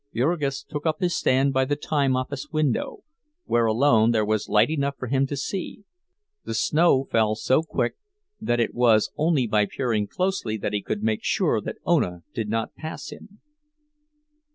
Jurgis took up his stand by the time office window, where alone there was light enough for him to see; the snow fell so quick that it was only by peering closely that he could make sure that Ona did not pass him.